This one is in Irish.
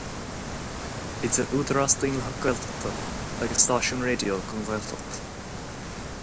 Idir údarás daonlathach Gaeltachta agus stáisiún raidió don Ghaeltacht.